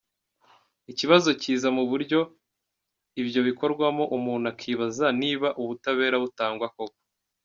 Ikibazo kiza mu buryo ibyo bikorwamo, umuntu akibaza niba ubutabera butangwa koko.